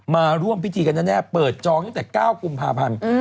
มาร่วมพิธีกันแน่เปิดจองตั้งแต่๙กุมภาพันธ์